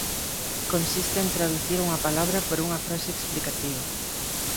Consiste en traducir unha palabra por unha frase explicativa.